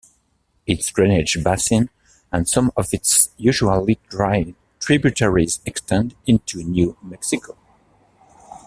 Its drainage basin and some of its usually dry tributaries extend into New Mexico.